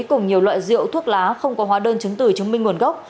cùng nhiều loại rượu thuốc lá không có hóa đơn chứng tử chứng minh nguồn gốc